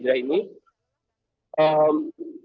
jadi kita bisa lihat